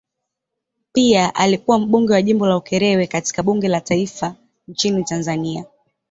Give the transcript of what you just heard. Pia alikuwa mbunge wa jimbo la Ukerewe katika bunge la taifa nchini Tanzania.